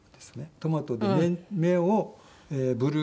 トマトで目をブルー。